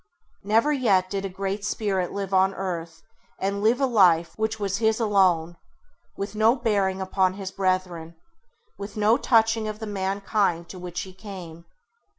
Never yet did a great spirit live on earth and live a life which was His alone, with no bearing upon His brethren, with no touching of the mankind to which He came.